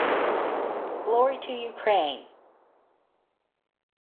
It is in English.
Glory to Ukraine!